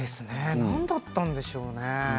何だったんでしょうね。